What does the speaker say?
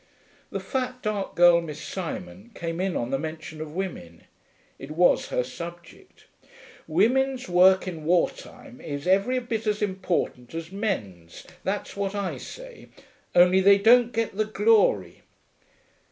The fat dark girl, Miss Simon, came in on the mention of women. It was her subject. 'Women's work in war time is every bit as important as men's, that's what I say; only they don't get the glory.'